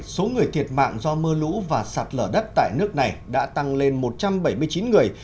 số người thiệt mạng do mưa lũ và sạt lở đất tại nước này đã tăng lên một trăm bảy mươi chín người